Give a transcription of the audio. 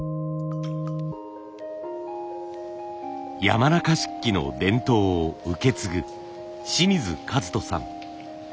山中漆器の伝統を受け継ぐ清水一人さん。